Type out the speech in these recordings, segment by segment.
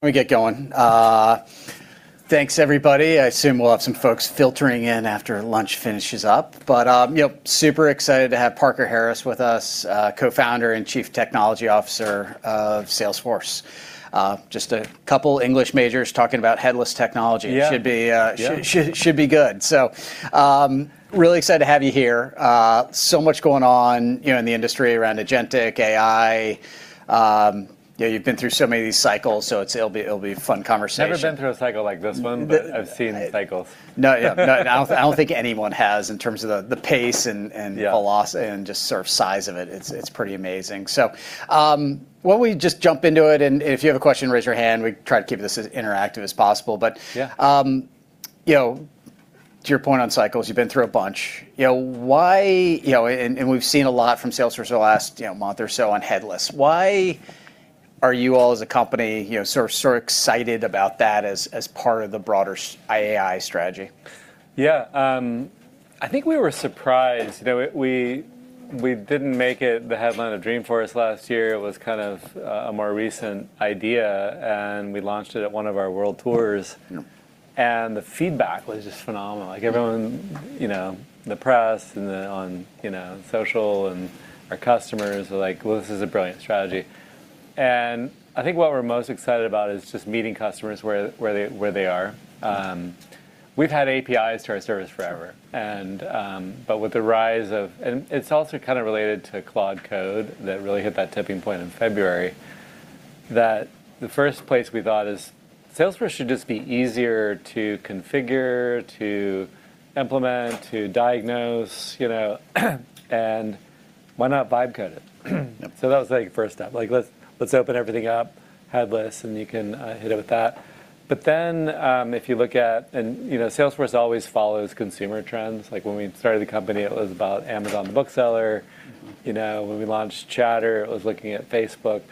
Let me get going. Thanks, everybody. I assume we'll have some folks filtering in after lunch finishes up. Super excited to have Parker Harris with us, co-founder and chief technology officer of Salesforce. Just a couple English majors talking about headless technology. Yeah. Should be good. Really excited to have you here. Much going on in the industry around agentic AI. You've been through so many of these cycles, so it'll be a fun conversation. I've never been through a cycle like this one, but I've seen cycles. No, yeah. No, I don't think anyone has in terms of the pace. Yeah The velocity and just sort of size of it's pretty amazing. Why don't we just jump into it, and if you have a question, raise your hand. We try to keep this as interactive as possible. Yeah To your point on cycles, you've been through a bunch. We've seen a lot from Salesforce the last month or so on headless. Why are you all as a company so excited about that as part of the broader AI strategy? Yeah. I think we were surprised. We didn't make it the headline of Dreamforce last year. It was kind of a more recent idea, and we launched it at one of our World Tours. The feedback was just phenomenal. Like everyone, the press, and then on social, and our customers are like, "Well, this is a brilliant strategy." I think what we're most excited about is just meeting customers where they are. We've had APIs to our service forever. It's also kind of related to Claude Code that really hit that tipping point in February; that the first place we thought of is Salesforce should just be easier to configure, to implement, to diagnose. Why not vibe coding it? Yep. That was the first step. Let's open everything up headless, and you can hit it with that. If you look at Salesforce, it always follows consumer trends. Like when we started the company, it was about Amazon, the bookseller. When we launched Chatter, it was looking at Facebook.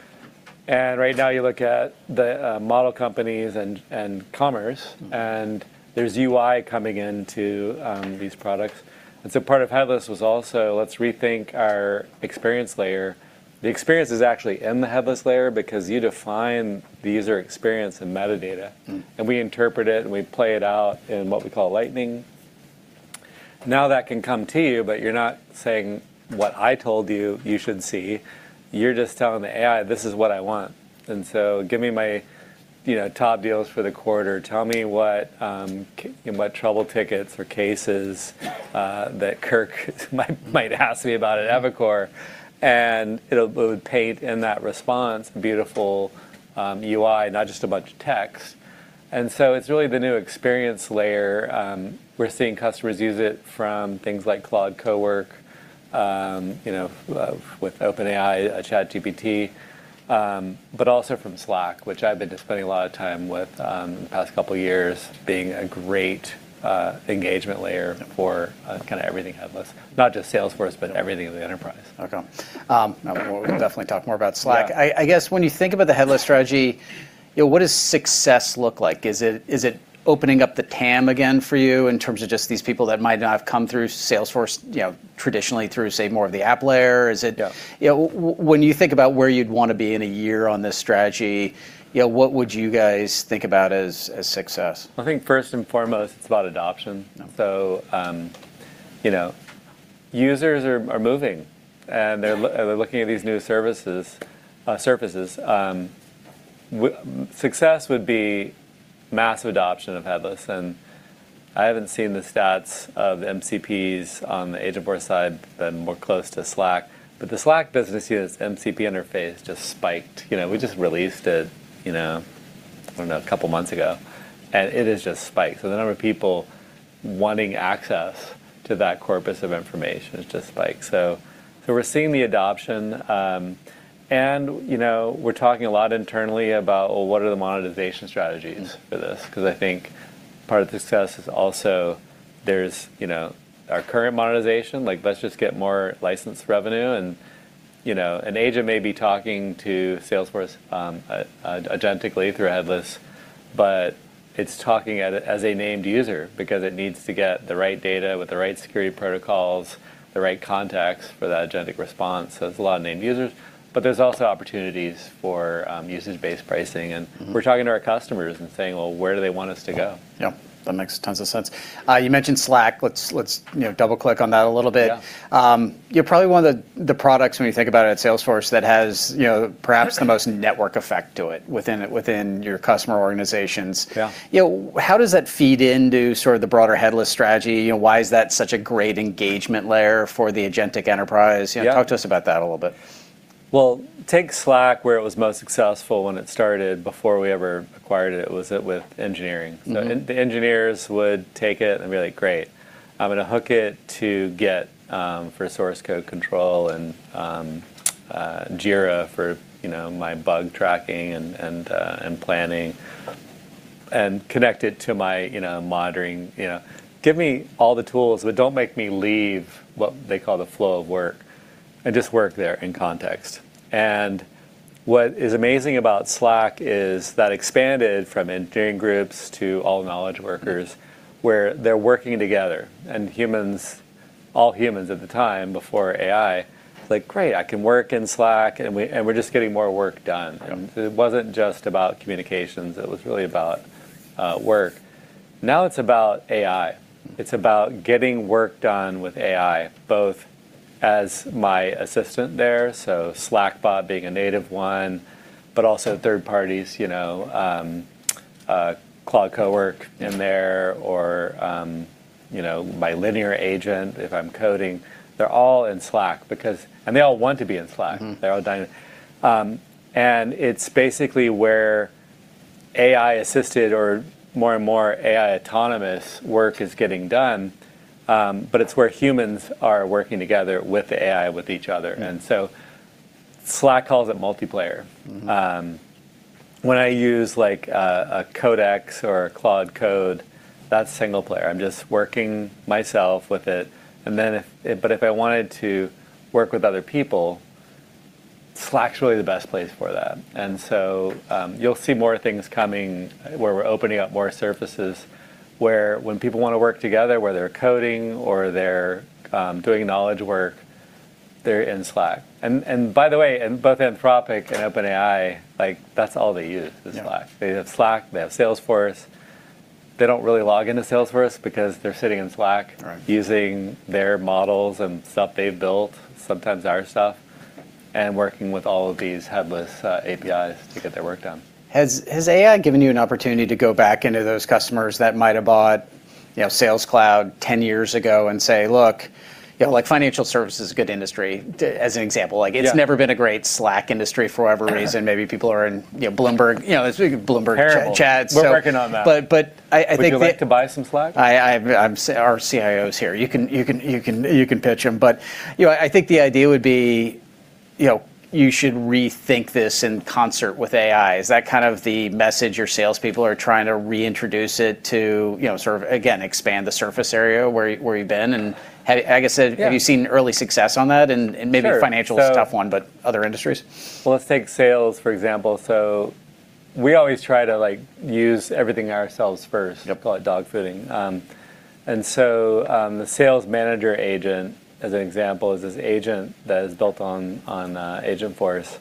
Right now, you look at the model companies and commerce, and there's UI coming into these products. Part of headless was also, let's rethink our experience layer. The experience is actually in the headless layer because you define the user experience in metadata. We interpret it, and we play it out in what we call Lightning. That can come to you, but you're not saying what I told you should see. You're just telling the AI, "This is what I want; give me my top deals for the quarter." Tell me what trouble tickets or cases that Kirk might ask me about at Evercore." It'll paint in that response beautiful UI, not just a bunch of text. It's really the new experience layer. We're seeing customers use it from things like Claude Cowork with OpenAI, ChatGPT, but also from Slack, which I've been just spending a lot of time with the past couple of years being a great engagement layer for kind of everything headless. Not just Salesforce, but everything in the enterprise. Okay. Well, we can definitely talk more about Slack. Yeah. I guess when you think about the headless strategy, what does success look like? Is it opening up the TAM again for you in terms of just these people that might not have come through Salesforce traditionally through, say, more of the app layer? Yeah You think about where you'd want to be in a year on this strategy; what would you guys think about as success? I think first and foremost, it's about adoption. Yeah. Users are moving, and they're looking at these new services. Success would be massive adoption of headless. I haven't seen the stats of MCPs on the Agentforce side, been more close to Slack. The Slack business uses MCP interface just spiked. We just released it, I don't know, a couple of months ago, and it has just spiked. The number of people wanting access to that corpus of information has just spiked. We're seeing the adoption, and we're talking a lot internally about, "Oh, what are the monetization strategies for this? Yeah. I think part of the success is also there's our current monetization, like let's just get more licensed revenue, and an agent may be talking to Salesforce agentically through headless, but it's talking as a named user because it needs to get the right data with the right security protocols, the right context for that agentic response. There's a lot of named users. There's also opportunities for usage-based pricing. We're talking to our customers and saying, "Well, where do they want us to go? Yep. That makes tons of sense. You mentioned Slack. Let's double-click on that a little bit. Yeah. Probably one of the products, when you think about it at Salesforce that has perhaps the most network effect to it within your customer organizations. Yeah. How does that feed into sort of the broader headless strategy? Why is that such a great engagement layer for the agentic enterprise? Yeah. Talk to us about that a little bit. Well, take Slack, where it was most successful when it started before we ever acquired it, was with engineering. The engineers would take it and be like, "Great. I'm going to hook it to Git for source code control and Jira for my bug tracking and planning and connect it to my monitoring. "Give me all the tools, but don't make me leave," what they call the flow of work, and just work there in context. What is amazing about Slack is that expanded from engineering groups to all knowledge workers, where they're working together, and All humans at the time before AI like, "Great, I can work in Slack," and we're just getting more work done. Yeah. It wasn't just about communications; it was really about work. Now it's about AI. It's about getting work done with AI, both as my assistant there, so Slackbot being a native one, but also third parties, Claude Cowork in there or my Linear agent if I'm coding. They're all in Slack because and they all want to be in Slack. It's basically where AI-assisted or more and more AI-autonomous work is getting done, but it's where humans are working together with the AI, with each other. Slack calls it multiplayer. When I use a Codex or a Claude Code, that's single player. I'm just working myself with it. If I wanted to work with other people, Slack's really the best place for that. You'll see more things coming where we're opening up more surfaces, where when people want to work together, whether they're coding or they're doing knowledge work, they're in Slack. By the way, in both Anthropic and OpenAI, that's all they use is Slack. They have Slack; they have Salesforce. They don't really log into Salesforce because they're sitting in Slack using their models and stuff they've built, sometimes our stuff, and working with all of these headless APIs to get their work done. Has AI given you an opportunity to go back into those customers that might have bought Sales Cloud 10 years ago and say, "Look," like financial services is a good industry as an example? Yeah. It's never been a great Slack industry for whatever reason. Maybe people are in Bloomberg chat. Terrible. We're working on that. But I think the- Would you like to buy some Slack? Our CIO's here. You can pitch him. I think the idea would be you should rethink this in concert with AI. Is that kind of the message your salespeople are trying to reintroduce it to sort of, again, expand the surface area where you've been, and have you seen early success on that? Sure Is a tough one, but other industries? Well, let's take sales, for example. We always try to use everything ourselves first. We call it dogfooding. The sales manager agent, as an example, is this agent that is built on Agentforce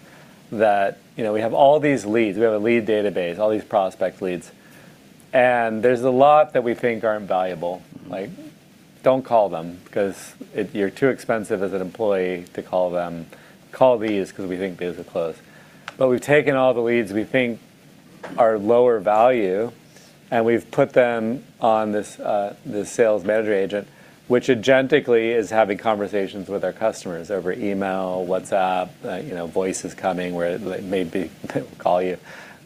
that we have all these leads, we have a lead database, all these prospect leads, and there's a lot that we think are invaluable. Like, "Don't call them because you're too expensive as an employee to call them." Call these because we think these will close." We've taken all the leads we think are lower value, and we've put them on this sales manager agent, which agentically is having conversations with our customers over email, WhatsApp, voice is coming where it maybe will call you.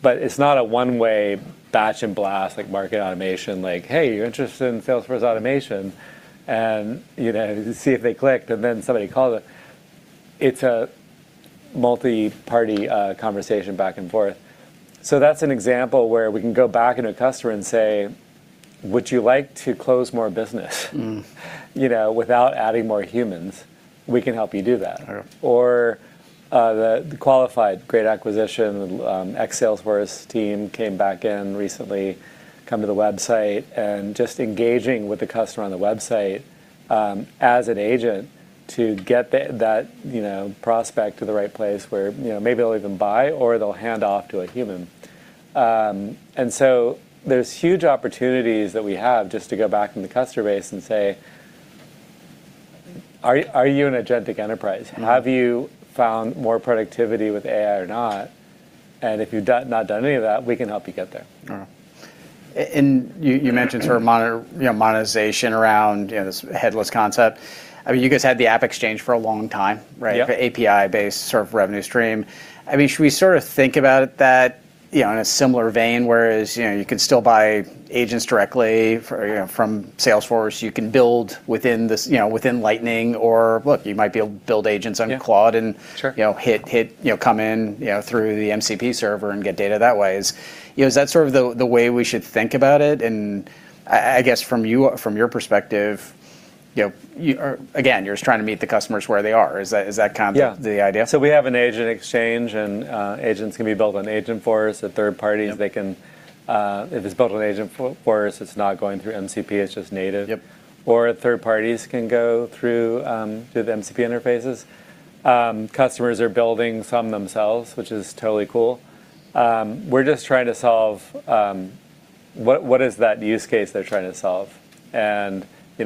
It's not a one-way batch and blast like marketing automation, like, "Hey, are you interested in sales force automation?" See if they clicked, and then somebody calls it. It's a multi-party conversation back and forth. That's an example where we can go back into a customer and say, "Would you like to close more business? Without adding more humans, we can help you do that. Sure. The Qualified great acquisition ex-Salesforce team came back in recently, come to the website, and just engaging with the customer on the website as an agent to get that prospect to the right place where maybe they'll even buy or they'll hand off to a human. There's huge opportunities that we have just to go back into the customer base and say, "Are you an agentic enterprise?" Have you found more productivity with AI or not? And if you've not done any of that, we can help you get there. Sure. You mentioned sort of monetization around this headless concept. You guys had the AppExchange for a long time, right? Yep. The API-based sort of revenue stream. Should we sort of think about that in a similar vein? Whereas you could still buy agents directly from Salesforce, you can build within Lightning or, look, you might be able to build agents on Claude? Sure Come in through the MCP server and get data that way. Is that sort of the way we should think about it? I guess from your perspective, again, you're just trying to meet the customers where they are. Is that kind of the idea? Yeah. We have an AgentExchange, and agents can be built on Agentforce. The third parties, if it's built on Agentforce, it's not going through MCP; it's just native. Third parties can go through the MCP interfaces. Customers are building some themselves, which is totally cool. We're just trying to solve what is that use case they're trying to solve.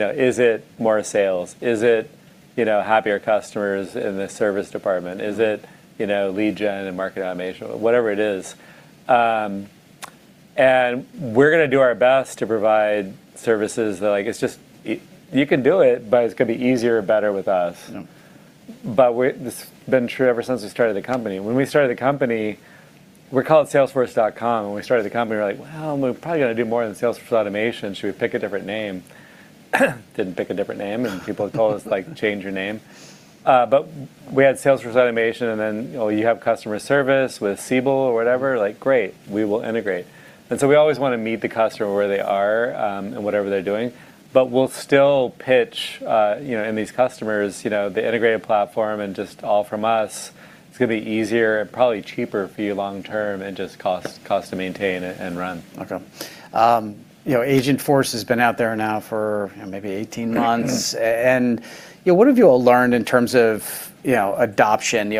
Is it more sales? Is it happier customers in the service department? Is it lead gen and market automation? Whatever it is. We're going to do our best to provide services that like it's just, you can do it, but it's going to be easier, better with us. Yeah. It's been true ever since we started the company. When we started the company, we were called Salesforce.com. When we started the company, we were like, "Well, we're probably going to do more than Salesforce automation." Should we pick a different name?" Didn't pick a different name, and people told us, like, "Change your name." We had Salesforce automation, and then you have customer service with Siebel or whatever, like, great. We will integrate. We always want to meet the customer where they are and whatever they're doing, but we'll still pitch, and these customers, the integrated platform, and just all from us, it's going to be easier and probably cheaper for you long term and just cost to maintain it and run. Okay. Agentforce has been out there now for maybe 18 months. What have you all learned in terms of adoption,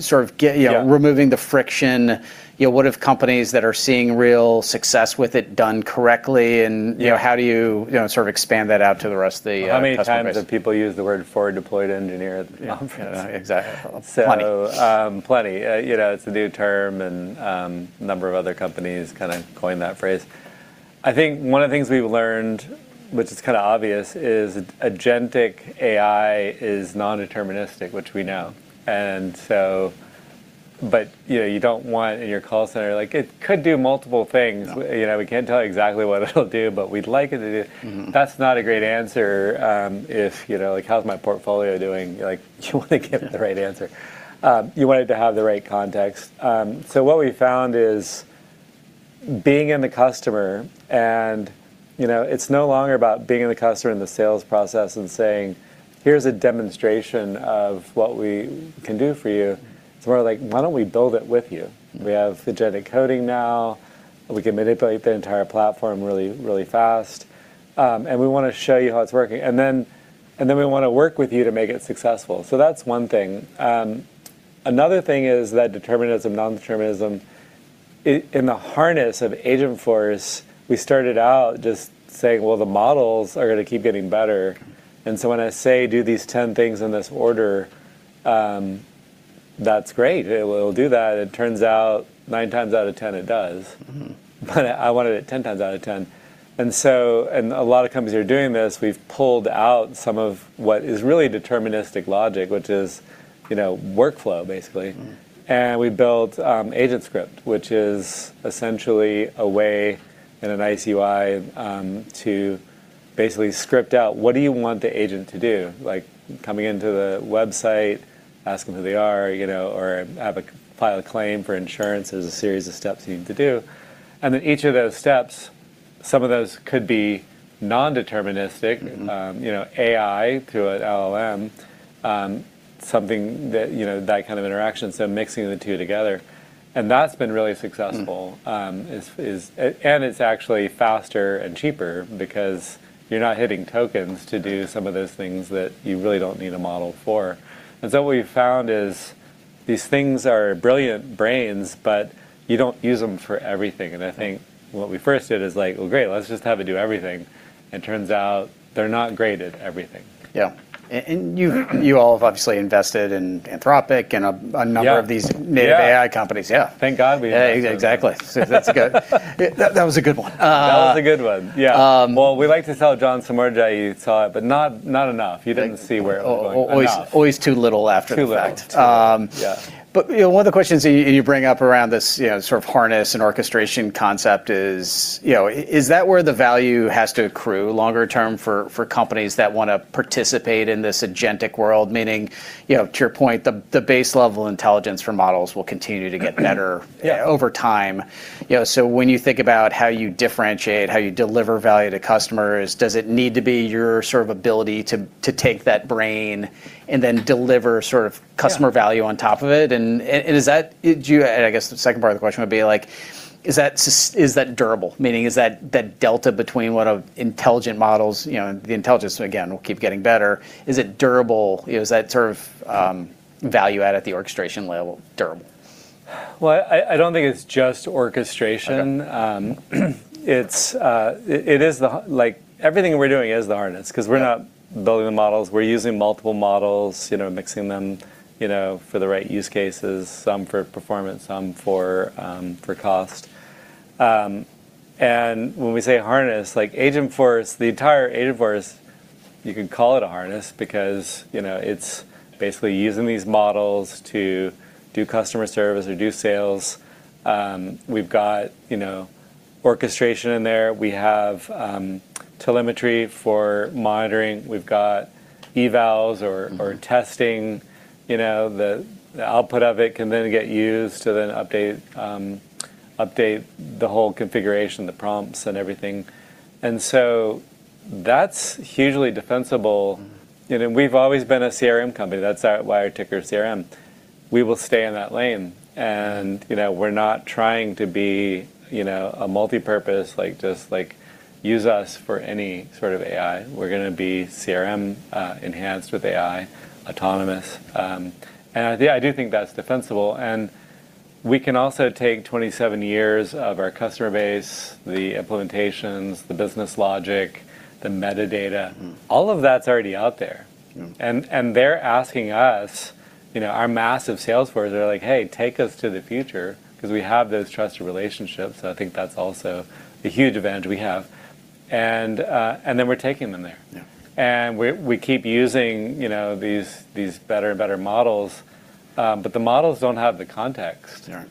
sort of removing the friction? What have companies that are seeing real success with it done correctly? How do you sort of expand that out to the rest of the customer base? How many times have people used the word "forward-deployed engineer" at the conference? Exactly. Plenty. Plenty. It's a new term, and a number of other companies kind of coined that phrase. I think one of the things we've learned, which is kind of obvious, is agentic AI is non-deterministic, which we know. You don't want in your call center, like it could do multiple things. No. We can't tell you exactly what it'll do, but we'd like it to do. That's not a great answer if like, "How's my portfolio doing?" You're like, you want to give the right answer. You want it to have the right context. What we've found is being in the customer, and it's no longer about being in the customer in the sales process and saying, "Here's a demonstration of what we can do for you." It's more like, "Why don't we build it with you?" We have agentic coding now; we can manipulate the entire platform really fast. We want to show you how it's working, and then we want to work with you to make it successful. That's one thing. Another thing is that determinism, non-determinism. In the harness of Agent Force, we started out just saying, well, the models are going to keep getting better. When I say do these 10 things in this order, that's great. It will do that. It turns out nine times out of 10 it does. I wanted it 10 times out of 10. A lot of companies are doing this. We've pulled out some of what is really deterministic logic, which is workflow basically. We built Agent Script, which is essentially a way in a nice UI to basically script out what do you want the agent to do, like coming into the website, asking who they are, or file a claim for insurance. There's a series of steps you need to do. Each of those steps, some of those, could be non-deterministic. AI through an LLM, that kind of interaction. Mixing the two together, and that's been really successful. It's actually faster and cheaper because you're not hitting tokens to do some of those things that you really don't need a model for. What we've found is these things are brilliant brains, but you don't use them for everything, and I think what we first did is like, "Well, great, let's just have it do everything." It turns out they're not great at everything. Yeah. You all have obviously invested in Anthropic of these native AI companies. Yeah. Thank God. Yeah, exactly. That's good. That was a good one. That was a good one. Yeah. Well, we like to tell John Somorjai you saw it, but not enough. You didn't see where it was going enough. Always too little after the fact. Too little. Too late. Yeah. One of the questions you bring up around this sort of harness and orchestration concept is that where the value has to accrue longer term for companies that want to participate in this agentic world. Meaning, to your point, the base-level intelligence for models will continue to get better over time. When you think about how you differentiate, how you deliver value to customers, does it need to be your sort of ability to take that brain and then deliver sort of customer value on top of it? I guess the second part of the question would be like, is that durable? Meaning, is that delta between what intelligent models, the intelligence, again, will keep getting better, is it durable? Is that sort of value add at the orchestration level durable? I don't think it's just orchestration. Everything we're doing is the harness because we're not building the models. We're using multiple models, mixing them for the right use cases, some for performance, some for cost. When we say "harness," like Agentforce, the entire Agentforce, you could call it a harness because it's basically using these models to do customer service or do sales. We've got orchestration in there. We have telemetry for monitoring. We've got evals or testing. The output of it can then get used to then update the whole configuration, the prompts, and everything. That's hugely defensible. We've always been a CRM company. That's why our ticker is CRM. We will stay in that lane; we're not trying to be multipurpose, like just use us for any sort of AI. We're going to be a CRM enhanced with AI, autonomous. I do think that's defensible. We can also take 27 years of our customer base, the implementations, the business logic, the metadata. All of that's already out there. They're asking us, our massive sales force; they're like, "Hey, take us to the future," because we have those trusted relationships. I think that's also a huge advantage we have. Then we're taking them there. We keep using these better and better models. The models don't have the context. Sure.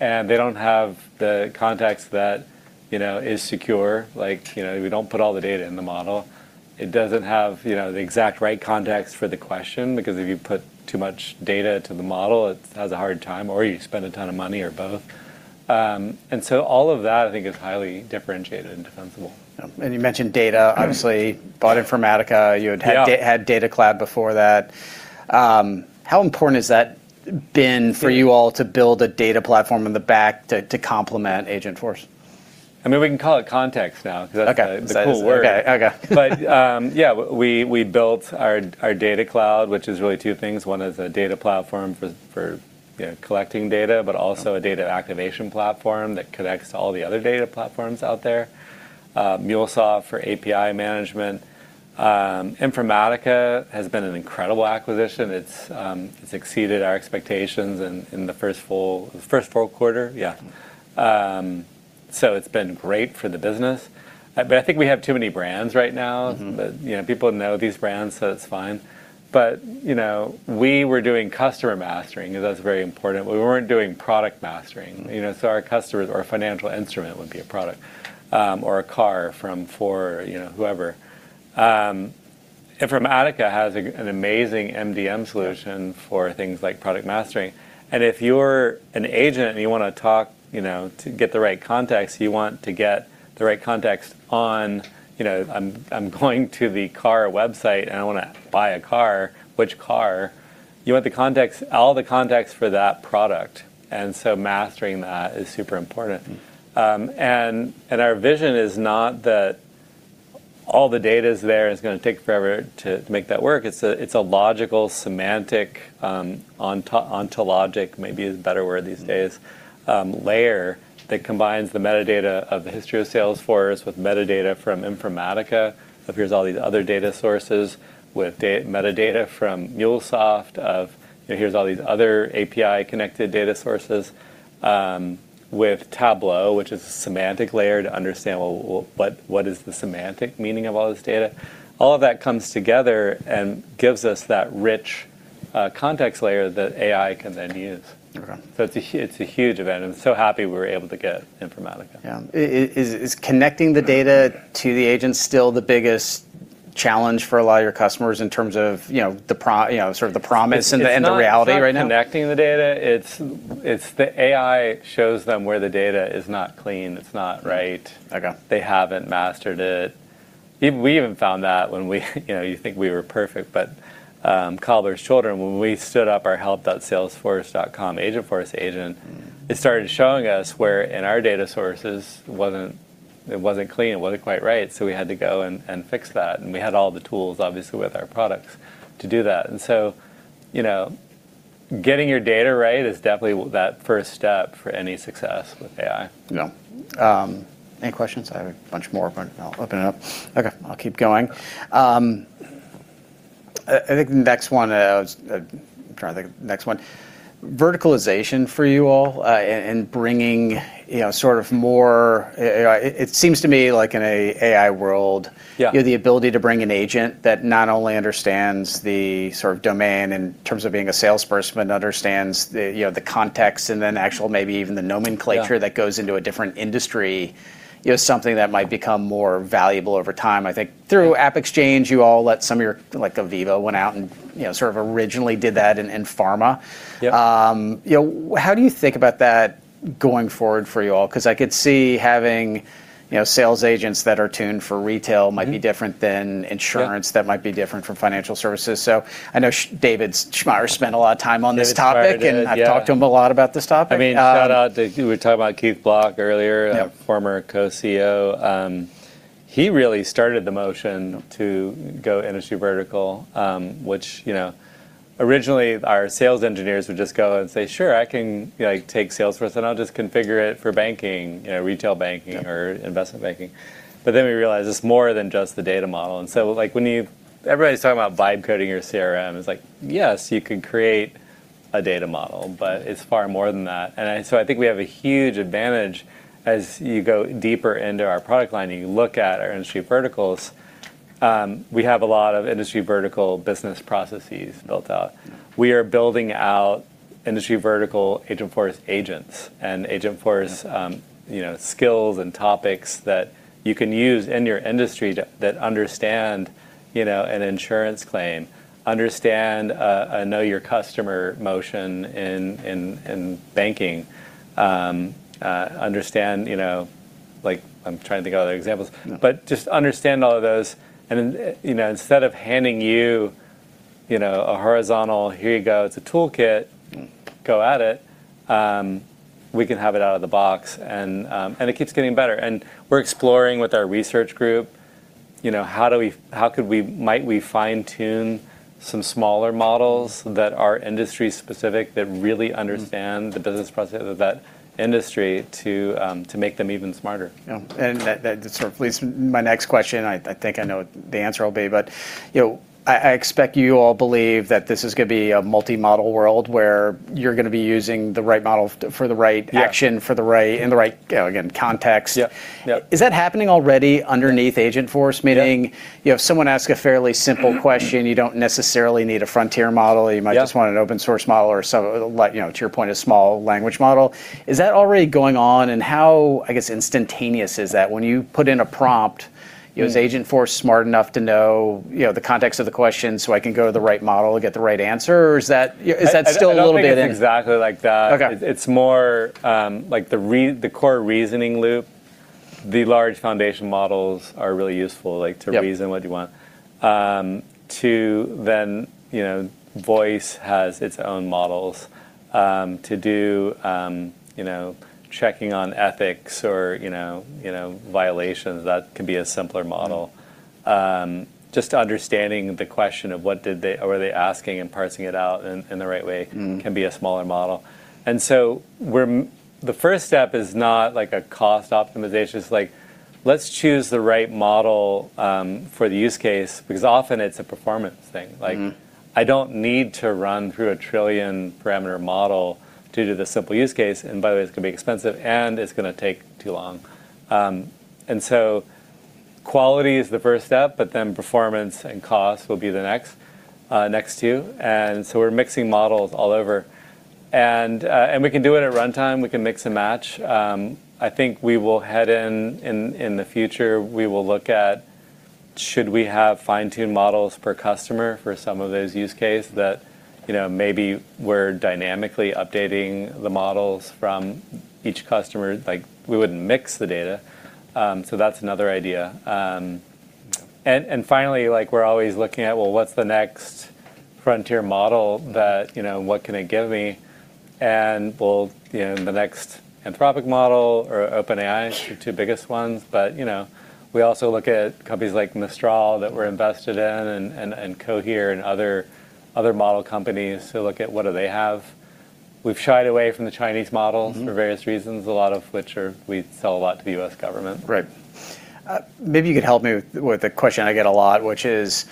They don't have the context that is secure. We don't put all the data in the model. It doesn't have the exact right context for the question, because if you put too much data to the model, it has a hard time, or you spend a ton of money, or both. All of that, I think, is highly differentiated and defensible. Yeah. You mentioned data, obviously. Bought Informatica. Yeah. You had Data Cloud before that. How important has that been for you all to build a data platform in the back to complement Agentforce? We can call it context now. Okay. That's the cool word. Okay. Yeah, we built our Data Cloud, which is really two things. One is a data platform for collecting data, but also a data activation platform that connects to all the other data platforms out there. MuleSoft for API management. Informatica has been an incredible acquisition. It's exceeded our expectations in the first full quarter. Yeah. It's been great for the business. I think we have too many brands right now. People know these brands, so it's fine. We were doing customer mastering; that's very important. We weren't doing product mastering. Our customers, or a financial instrument, would be a product, or a car from Ford or whoever. Informatica has an amazing MDM solution for things like product mastering, and if you're an agent and you want to talk to get the right context, you want to get the right context on, "I'm going to the car website, and I want to buy a car." Which car? You want all the context for that product; mastering that is super important. Our vision is not that all the data's there and it's going to take forever to make that work. It's a logical, semantic, ontological—maybe is a better word these days—layer that combines the metadata of the history of Salesforce with metadata from Informatica. Here's all these other data sources with metadata from MuleSoft of, here's all these other API-connected data sources with Tableau, which is a semantic layer to understand what is the semantic meaning of all this data. All of that comes together and gives us that rich context layer that AI can then use. It's a huge event, and I'm so happy we were able to get Informatica. Yeah. Is connecting the data to the agent still the biggest challenge for a lot of your customers in terms of the promise and the reality right now? It's not connecting the data; it's the AI shows them where the data is not clean; it's not right. Okay. They haven't mastered it. We even found that when we were perfect, but cobbler's children, when we stood up our help.salesforce.com Agentforce agent. It started showing us where in our data sources it wasn't clean, it wasn't quite right, so we had to go and fix that, and we had all the tools, obviously, with our products to do that. Getting your data right is definitely that first step for any success with AI. Yeah. Any questions? I have a bunch more. I'll open it up. Okay, I'll keep going. I think the next one. I was trying to think of the next one. Verticalization for you all. It seems to me like in an AI world. Yeah You have the ability to bring an agent that not only understands the domain in terms of being a salesperson but also understands the context and then actual, maybe even the nomenclature that goes into a different industry, something that might become more valuable over time. I think through AppExchange, you all let some of your like Veeva went out and sort of originally did that in pharma. Yeah. How do you think about that going forward for you all? I could see having sales agents that are tuned for retail might be different than insurance that might be different from financial services. I know David Schmaier spent a lot of time on this topic. David Schmaier did, yeah. I've talked to him a lot about this topic. Shout out to, we were talking about Keith Block earlier. Yeah. Former Co-CEO. He really started the motion to go industry vertical, which originally our sales engineers would just go and say, "Sure, I can take Salesforce, and I'll just configure it for banking, retail banking, or investment banking." We realized it's more than just the data model. Everybody's talking about vibe coding your CRM; it's like, yes, you could create a data model, but it's far more than that. I think we have a huge advantage as you go deeper into our product line and you look at our industry verticals. We have a lot of industry vertical business processes built out. We are building out industry vertical Agentforce agents and Agentforce skills and topics that you can use in your industry that understand an insurance claim, understand a know-your-customer motion in banking. Understand, I'm trying to think of other examples. No. Just understand all of those, and instead of handing you a horizontal, "Here you go, it's a toolkit." Go at it, we can have it out of the box. It keeps getting better. We're exploring with our research group, might we fine-tune some smaller models that are industry-specific that really understand the business process of that industry to make them even smarter? Yeah. That sort of leads to my next question. I think I know what the answer will be. I expect you all believe that this is going to be a multi-model world where you're going to be using the right model for the right action. Yeah In the right, again, context. Yeah. Is that happening already underneath Agentforce, meaning someone asks a fairly simple question, you don't necessarily need a frontier model? Yeah. You might just want an open-source model or some, to your point, a small language model. Is that already going on, and how, I guess, instantaneous is that? When you put in a prompt, is Agentforce smart enough to know the context of the question so I can go to the right model to get the right answer, or is that still a little bit? I don't think it's exactly like that. Okay. It's more like the core reasoning loop. The large foundation models are really useful to reason what you want. Voice has its own models to do checking on ethics or violations. That can be a simpler model. Just understanding the question of what they are asking and parsing it out in the right way can be a smaller model. The first step is not a cost optimization; it's like, let's choose the right model for the use case, because often it's a performance thing. I don't need to run through a trillion-parameter model to do the simple use case, and by the way, it's going to be expensive and it's going to take too long. Quality is the first step; performance and cost will be the next two. We're mixing models all over. We can do it at runtime. We can mix and match. I think we will head in the future; we will look at should we have fine-tuned models per customer for some of those use cases that maybe we're dynamically updating the models from each customer. We wouldn't mix the data. That's another idea. Finally, we're always looking at, well, what's the next frontier model? What can it give me? Will the next Anthropic model or OpenAI, the two biggest ones, but we also look at companies like Mistral that we're invested in, and Cohere and other model companies to look at what do they have? We've shied away from the Chinese models. For various reasons, a lot of which are we sell a lot to the U.S. government. Right. Maybe you could help me with a question I get a lot, which is,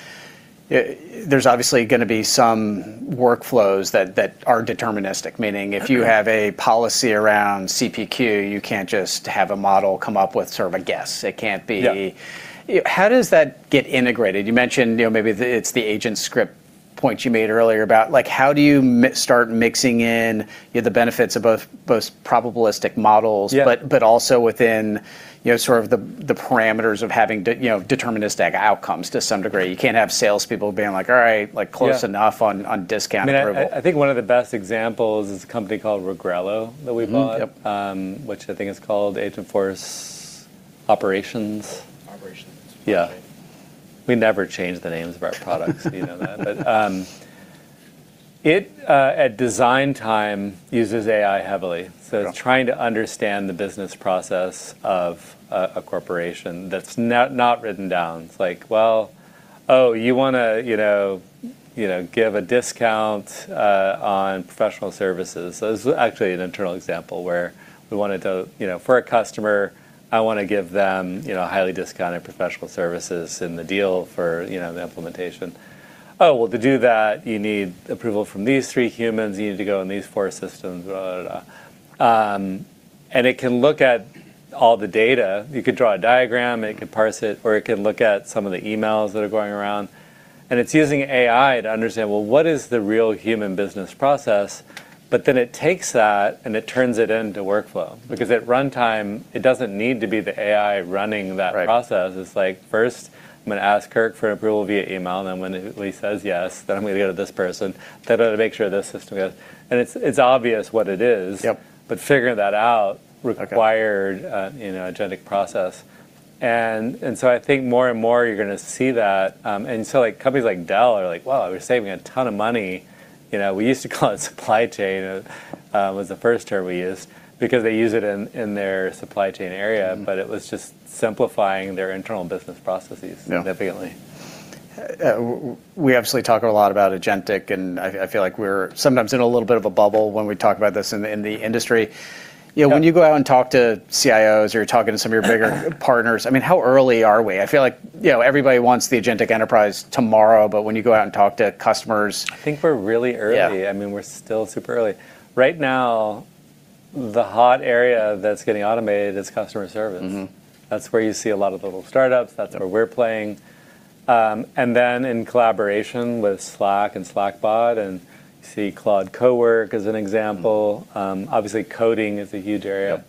there's obviously going to be some workflows that are deterministic. If you have a policy around CPQ, you can't just have a model come up with sort of a guess. It can't be— Yep. How does that get integrated? You mentioned maybe it's the agent script point you made earlier about how do you start mixing in the benefits of both probabilistic models. Yeah Also within sort of the parameters of having deterministic outcomes to some degree. You can't have salespeople being like, "All right, close enough on discount approval. I think one of the best examples is a company called Regrello that we bought, which I think is called Agentforce Operations. Operations. Yeah. We never change the names of our products, you know that. It at design time uses AI heavily. Okay. It's trying to understand the business process of a corporation that's not written down. It's like, well, oh, you want to give a discount on professional services. This is actually an internal example where we wanted to, for a customer, I want to give them highly discounted professional services in the deal for the implementation. Oh, well, to do that, you need approval from these three humans. You need to go in these four systems. It can look at all the data. You could draw a diagram, and it could parse it, or it could look at some of the emails that are going around, and it's using AI to understand, well, what is the real human business process? It takes that, and it turns it into workflow because, at runtime, it doesn't need to be the AI running that process. It's like, first I'm going to ask Kirk for approval via email. When he says yes, then I'm going to go to this person. I've got to make sure this system goes. It's obvious what it is. Yep. But figuring that out required an agentic process. I think more and more you're going to see that. Companies like Dell are like, "Wow, we're saving a ton of money." We used to call it "supply chain," which was the first term we used because they use it in their supply chain area, but it was just simplifying their internal business processes significantly. We obviously talk a lot about agentic, and I feel like we're sometimes in a little bit of a bubble when we talk about this in the industry. When you go out and talk to CIOs, or you're talking to some of your bigger partners, how early are we? I feel like everybody wants the agentic enterprise tomorrow, but when you go out and talk to customers. I think we're really early. Yeah. I mean, we're still super early. Right now, the hot area that's getting automated is customer service. That's where you see a lot of the little startups. That's where we're playing. In collaboration with Slack and Slackbot, and you see Claude Cowork as an example. Obviously coding is a huge area.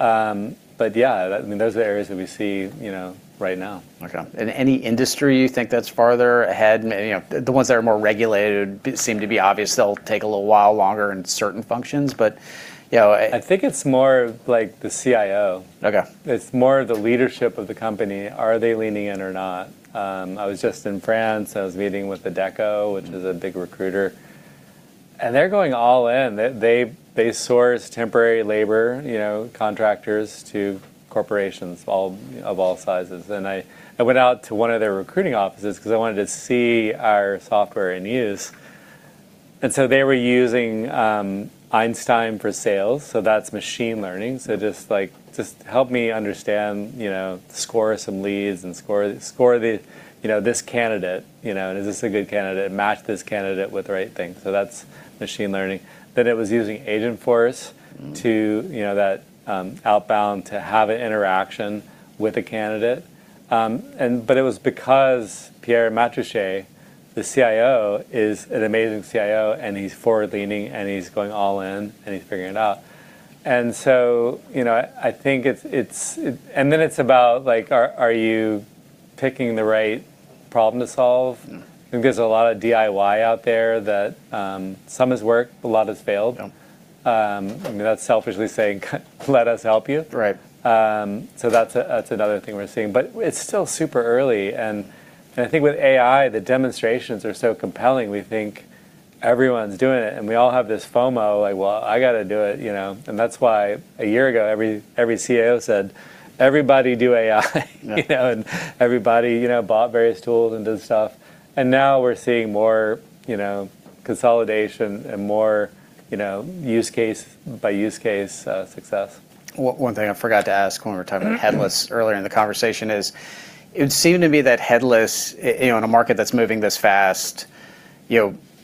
Yep. Yeah, those are the areas that we see right now. Okay. Any industry you think that's farther ahead? The ones that are more regulated seem to be obvious. They'll take a little while longer in certain functions. I think it's more the CIO. Okay. It's more the leadership of the company. Are they leaning in or not? I was just in France; I was meeting with Adecco, which is a big recruiter, and they're going all in. They source temporary labor, contractors to corporations of all sizes. I went out to one of their recruiting offices because I wanted to see our software in use. They were using Einstein for sales. That's machine learning. Just help me understand, score some leads, and score this candidate. Is this a good candidate? Match this candidate with the right thing. That's machine learning. It was using Agentforce to, that outbound to have an interaction with a candidate. It was because Pierre Matratxea, the CIO, is an amazing CIO, and he's forward-leaning, and he's going all in, and he's figuring it out. It's about are you picking the right problem to solve. I think there's a lot of DIY out there that some has worked, a lot has failed. That's selfishly saying, "Let us help you. Right. That's another thing we're seeing. It's still super early, and I think with AI, the demonstrations are so compelling, we think everyone's doing it, and we all have this FOMO, like, "Well, I got to do it." That's why a year ago, every CIO said, "Everybody do AI. Yeah. Everybody bought various tools and did stuff, and now we're seeing more consolidation and more use case by use case success. One thing I forgot to ask when we were talking about headless earlier in the conversation is it would seem to me that headless, in a market that's moving this fast,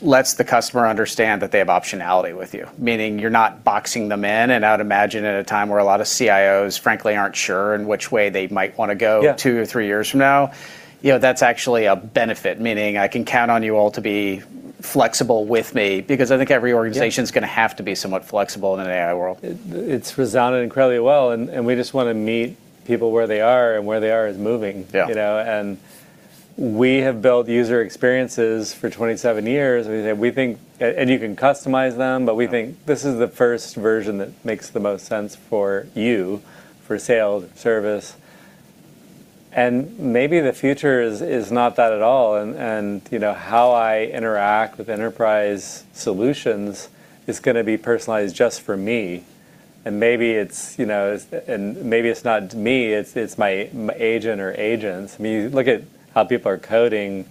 lets the customer understand that they have optionality with you, meaning you're not boxing them in. I would imagine at a time where a lot of CIOs frankly aren't sure in which way they might want to go two or three years from now, that's actually a benefit, meaning I can count on you all to be flexible with me because I think every organization's going to have to be somewhat flexible in an AI world. It's resonated incredibly well, and we just want to meet people where they are, and where they are is moving. We have built user experiences for 27 years. You can customize them, but we think this is the first version that makes the most sense for you for sales service. Maybe the future is not that at all, and how I interact with enterprise solutions is going to be personalized just for me. Maybe it's not me; it's my agent or agents. I mean, you look at how people are coding;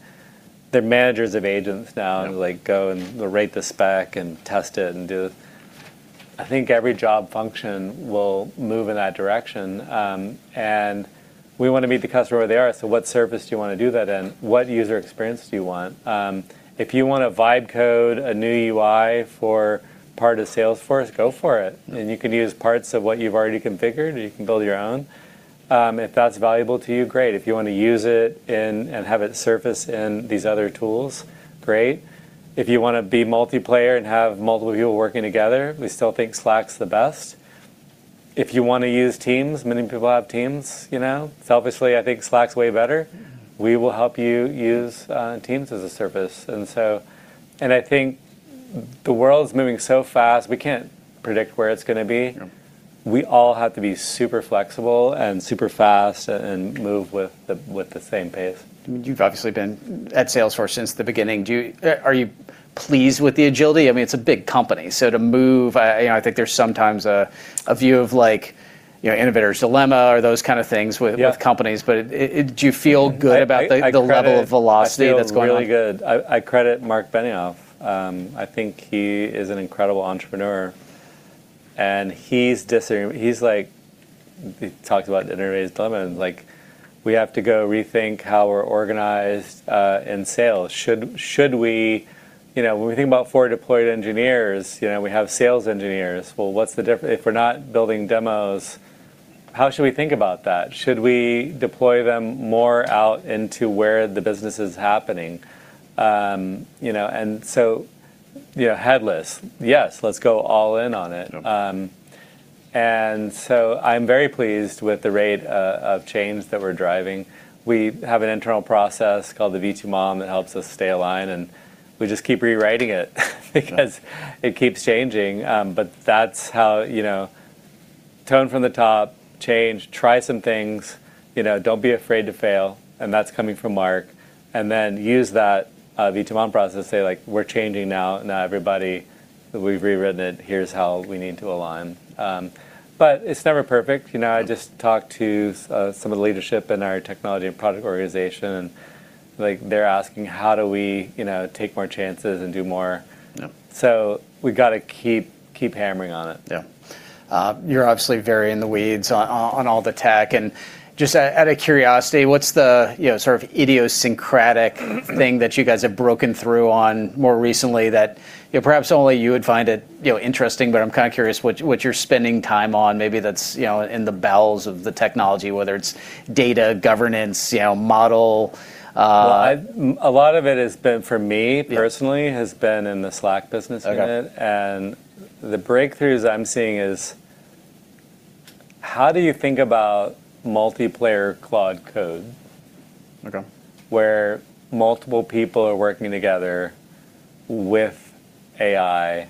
they're managers of agents now. Yeah Go and rate the spec and test it and do I think every job function will move in that direction? We want to meet the customer where they are. What service do you want to do that in? What user experience do you want? If you want to vibe coding a new UI for part of Salesforce, go for it. You can use parts of what you've already configured, or you can build your own. If that's valuable to you, great. If you want to use it and have it surface in these other tools, great. If you want to be multiplayer and have multiple people working together, we still think Slack's the best. If you want to use Teams, many people have Teams. Obviously, I think Slack's way better. We will help you use Teams as a service. I think the world's moving so fast, we can't predict where it's going to be. We all have to be super flexible and super fast and move with the same pace. You've obviously been at Salesforce since the beginning. Are you pleased with the agility? I mean, it's a big company, so to move, I think there's sometimes a view of like innovator's dilemma or those kinds of things with companies. Do you feel good about the level of velocity that's going on? I feel really good. I credit Marc Benioff. I think he is an incredible entrepreneur, and he's like, we talked about the innovator's dilemma, and we have to go rethink how we're organized in sales. When we think about forward-deployed engineers, we have sales engineers. Well, what's the difference if we're not building demos? How should we think about that? Should we deploy them more out into where the business is happening? Headless. Yes. Let's go all in on it. Yep. I'm very pleased with the rate of change that we're driving. We have an internal process called the V2MOM that helps us stay aligned, and we just keep rewriting it because it keeps changing. That's how tone from the top, change, try some things, don't be afraid to fail, and that's coming from Marc. Use that V2MOM process to say, "We're changing now." Now everybody, we've rewritten it. Here's how we need to align." It's never perfect. I just talked to some of the leadership in our technology and product organization, and they're asking, "How do we take more chances and do more?" Yep. We've got to keep hammering on it. Yeah. You're obviously very in the weeds on all the tech. Just out of curiosity, what's the sort of idiosyncratic thing that you guys have broken through on more recently that perhaps only you would find interesting? But I'm kind of curious what you're spending time on, maybe that's in the bowels of the technology, whether it's data, governance, or models. Well, a lot of it has been, for me personally has been in the Slack business unit. The breakthroughs I'm seeing is how do you think about multiplayer cloud code. Okay Where multiple people are working together with AI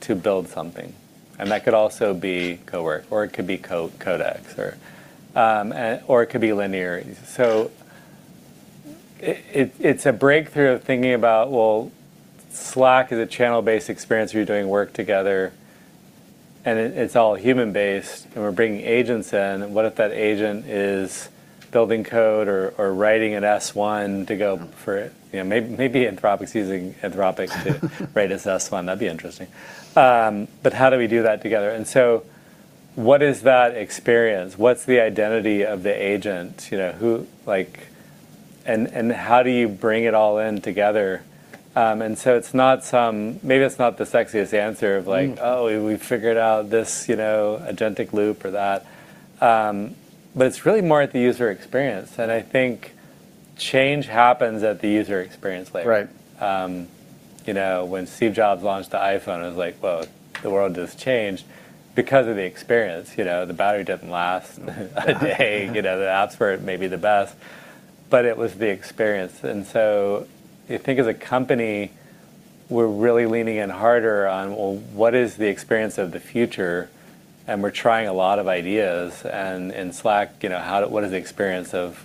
to build something. That could also be Cowork, or it could be Codex, or it could be Linear. It's a breakthrough thinking about, well, Slack is a channel-based experience where you're doing work together, and it's all human-based, and we're bringing agents in, and what if that agent is building code or writing an S1 to go for it? Maybe Anthropic's using Anthropic to write an S1. That'd be interesting. How do we do that together? What is that experience? What's the identity of the agent? How do you bring it all in together? Maybe that's not the sexiest answer of like. Oh, we've figured out this agentic loop or that." It's really more at the user experience, and I think change happens at the user experience layer. Right. When Steve Jobs launched the iPhone, it was like, well, the world just changed because of the experience. The battery doesn't last a day. The apps weren't maybe the best, but it was the experience. If you think as a company, we're really leaning in harder on, well, what is the experience of the future, and we're trying a lot of ideas. In Slack, what is the experience of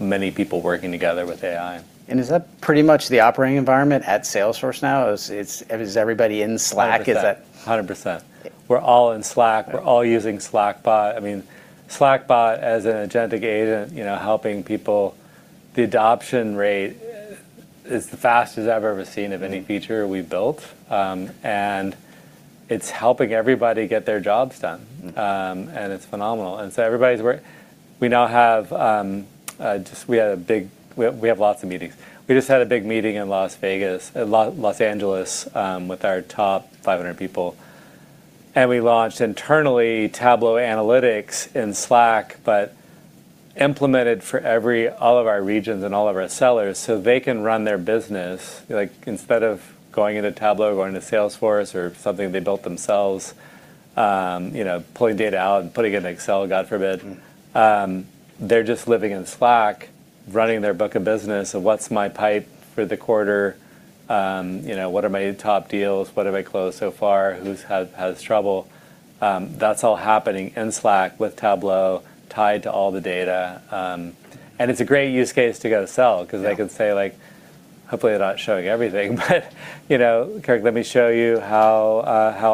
many people working together with AI? Is that pretty much the operating environment at Salesforce now? Is everybody in Slack? 100%. We're all in Slack. We're all using Slackbot. Slackbot as an agentic agent helping people; the adoption rate is the fastest I've ever seen of any feature we've built. It's helping everybody get their jobs done. It's phenomenal. Everybody's work. We have lots of meetings. We just had a big meeting in Los Angeles with our top 500 people. We launched internally Tableau Analytics in Slack, but implemented for all of our regions and all of our sellers so they can run their business. Instead of going into Tableau, going into Salesforce, or something they built themselves, pulling data out, and putting it in Excel, God forbid. They're just living in Slack, running their book of business of what's my pipe for the quarter. What are my top deals? What have I closed so far? Who's had trouble? That's all happening in Slack with Tableau tied to all the data. It's a great use case to go sell because they can say like, hopefully they're not showing everything, but Kirk, let me show you how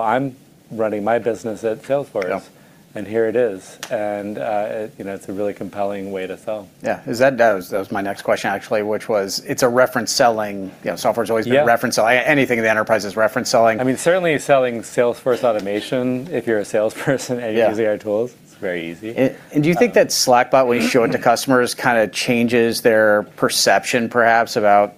I'm running my business at Salesforce. Yep. Here it is. It's a really compelling way to sell. Yeah. That was my next question, actually, which was it's a reference selling. Yeah. Software has always been reference selling. Anything in the enterprise is reference selling. Certainly selling Salesforce automation if you're a salesperson and using our tools. Yeah It's very easy. Do you think that Slackbot, when you show it to customers, kind of changes their perception perhaps about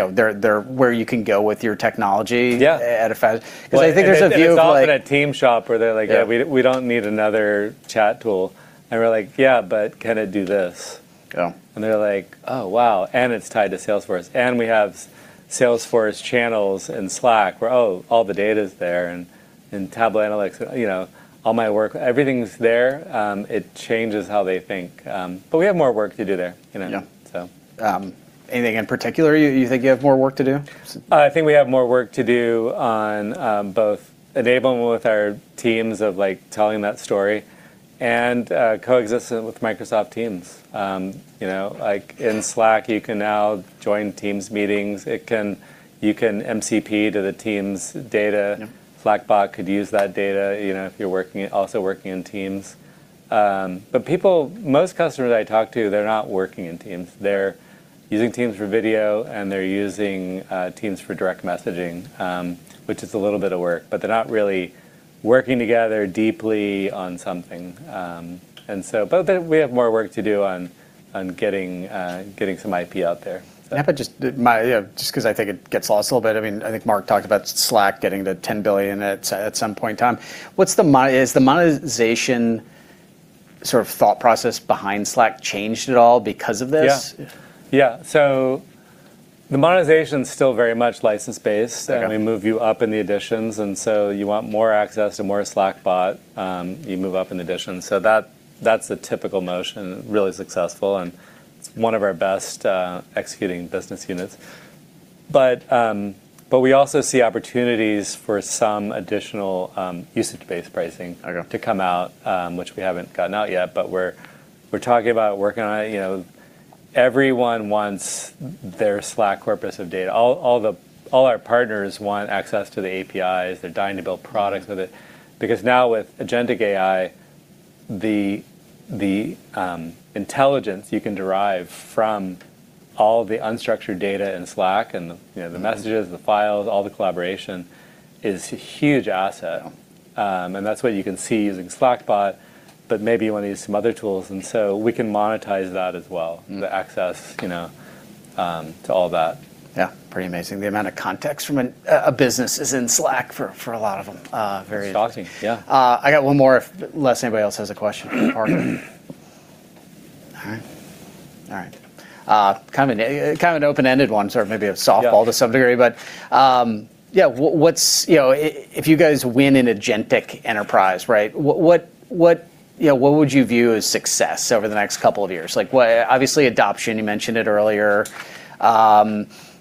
where you can go with your technology? Yeah Because I think there's a view of like If it's often a Teams shop where they're like. Yeah We don't need another chat tool. We're like, "Yeah, but can it do this? Yeah. They're like, "Oh, wow, it's tied to Salesforce. We have Salesforce channels in Slack where all the data's there and Tableau analytics, all my work, everything's there." It changes how they think. We have more work to do there. Yeah. Anything in particular you think you have more work to do? I think we have more work to do on both enabling with our teams of telling that story and coexistence with Microsoft Teams. In Slack, you can now join Teams meetings. You can MCP to the Teams data. Yep. Slackbot could use that data if you're also working in Teams. Most customers I talk to, they're not working in Teams. They're using Teams for video, and they're using Teams for direct messaging, which is a little bit of work, but they're not really working together deeply on something. We have more work to do on getting some IP out there. Yeah. Just because I think it gets lost a little bit. I think Marc talked about Slack getting to $10 billion at some point in time. Has the monetization sort of thought process behind Slack changed at all because of this? Yeah. The monetization's still very much license-based. Okay. We move you up in the editions; you want more access to more of Slackbot; you move up in editions. That's the typical motion, really successful, and it's one of our best-executing business units. We also see opportunities for some additional usage-based pricing to come out, which we haven't gotten out yet, but we're talking about working on it. Everyone wants their Slack corpus of data. All our partners want access to the APIs. They're dying to build products with it. Now with agentic AI, the intelligence you can derive from all the unstructured data in Slack and the messages, the files, all the collaboration is a huge asset. Yeah. That's what you can see using Slackbot, but maybe you want to use some other tools. We can monetize that as well the access to all that. Pretty amazing. The amount of context from a business is in Slack for a lot of them. It's shocking. Yeah. I got one more unless anybody else has a question for Parker. All right. Kind of an open-ended one, sort of maybe a softball to some degree. Yeah. If you guys win in agentic enterprise, right, what would you view as success over the next couple of years? Obviously, adoption—you mentioned it earlier.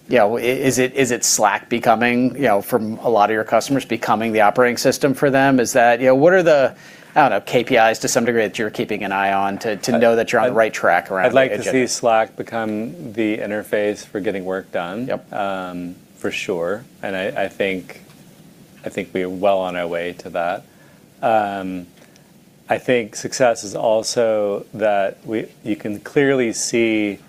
Is it Slack becoming, from a lot of your customers, becoming the operating system for them? I don't know KPIs to some degree that you're keeping an eye on to know that you're on the right track around agentic. I'd like to see Slack become the interface for getting work done. For sure. I think we are well on our way to that. I think success is also that you can clearly see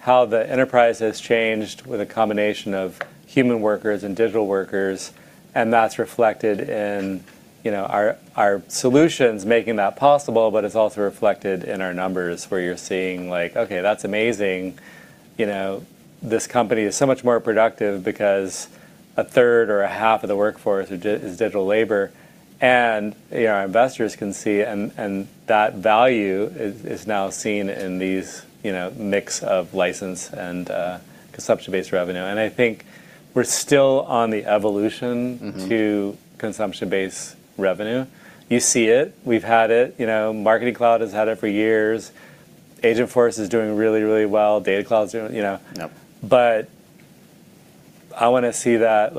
how the enterprise has changed with a combination of human workers and digital workers, and that's reflected in our solutions making that possible, but it's also reflected in our numbers, where you're seeing like, okay, that's amazing. This company is so much more productive. A third or half of the workforce is digital labor. Our investors can see. That value is now seen in this mix of license- and consumption-based revenue. I think we're still on the evolution to consumption-based revenue. You see it, we've had it. Marketing Cloud has had it for years. Agentforce is doing really well. Data Cloud's doing. Yep. I want to see that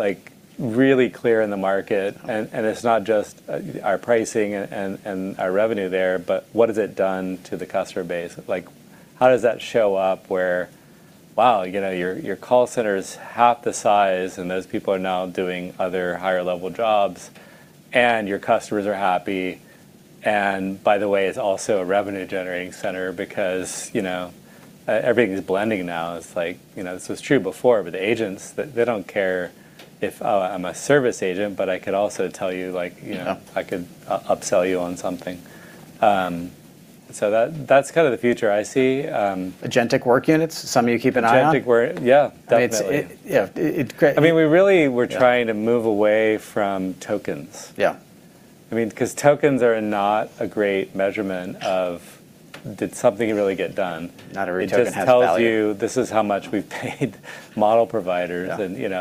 really clear in the market. It's not just our pricing and our revenue there, but what has it done to the customer base? Like, how does that show up? Where, wow, your call center is half the size, and those people are now doing other higher-level jobs, and your customers are happy. By the way, it's also a revenue-generating center because everything's blending now. This was true before. Agents, they don't care if, oh, I'm a service agent, but I could also tell you like. I could upsell you on something. That's kind of the future I see. Agentic Work Units, something you keep an eye on? Agentic work, yeah, definitely. Yeah. Great. We really were trying to move away from tokens. Yeah. Because tokens are not a great measurement of did something really got done. Not every token has value. It just tells you, this is how much we've paid model providers."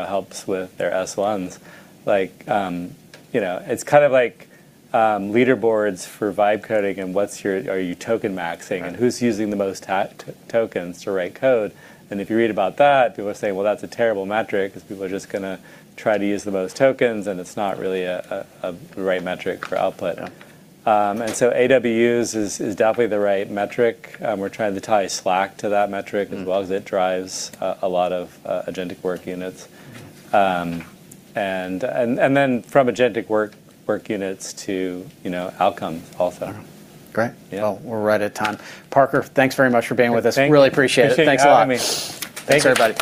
Helps with their S1s. It's kind of like leaderboards for vibe coding, and are you token maxing? Right. Who's using the most tokens to write code? If you read about that, people will say, "Well, that's a terrible metric because people are just going to try to use the most tokens, and it's not really a right metric for output." AWUs is definitely the right metric. We're trying to tie Slack to that metric as well because it drives a lot of agentic work units, from agentic work units to outcomes also. Great. Yeah. Well, we're right at time. Parker, thanks very much for being with us. Thank you. Really appreciate it. Thanks a lot. Thanks, everybody.